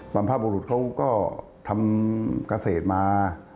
บรรพบุรุษเขาก็ทำเกษตรมา